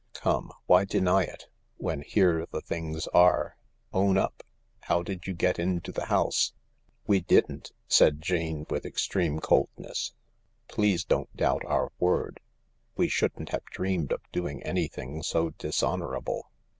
Come — why deny it, when here the things are ? Own up 1 How did you get into the house ?"" We didn't," said Jane with extreme coldness. " Please don't doubt our word. We shouldn't have dreamed of doing anything so dishonourable."